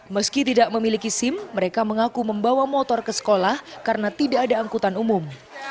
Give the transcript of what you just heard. meski tidak memiliki sim mereka mengaku membawa motor ke sekolah karena tidak ada angkutan umum